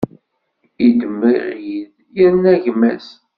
Iddem iɣid, irna gma-s.